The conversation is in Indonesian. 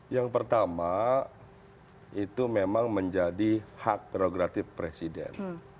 yang pertama itu memang menjadi hak prerogatif presiden